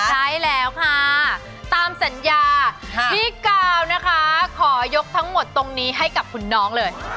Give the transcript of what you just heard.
ใช่แล้วค่ะตามสัญญาพี่กาวนะคะขอยกทั้งหมดตรงนี้ให้กับคุณน้องเลย